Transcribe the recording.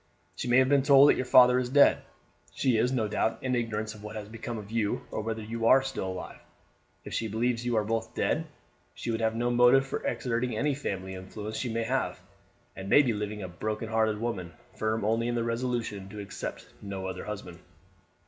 She may have been told that your father is dead. She is, no doubt, in ignorance of what has become of you, or whether you are still alive. If she believes you are both dead she would have had no motive for exerting any family influence she may have, and may be living a broken hearted woman, firm only in the resolution to accept no other husband."